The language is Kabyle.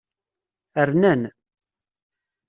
Rnan.